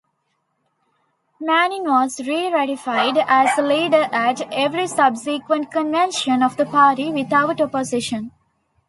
Manning was re-ratified as leader at every subsequent convention of the party without opposition.